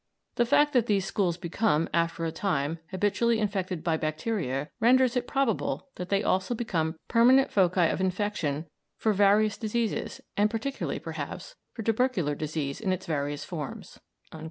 The fact that these schools become, after a time, habitually infected by bacteria renders it probable that they also become permanent foci of infection for various diseases, and particularly, perhaps, for tubercular disease in its various forms."